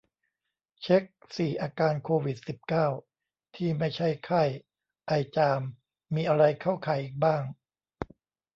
เช็ก สี่ อาการโควิด สิบเก้า ที่ไม่ใช่ไข้ ไอ จาม มีอะไรเข้าข่ายอีกบ้าง